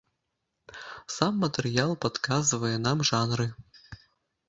Сам матэрыял падказвае нам жанры.